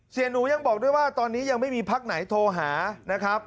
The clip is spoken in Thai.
หนูยังบอกด้วยว่าตอนนี้ยังไม่มีพักไหนโทรหานะครับ